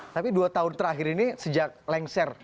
tapi dua tahun terakhir ini sejak lengser